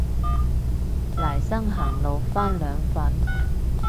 黎生行路返兩份